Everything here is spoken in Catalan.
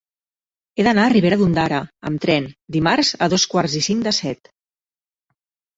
He d'anar a Ribera d'Ondara amb tren dimarts a dos quarts i cinc de set.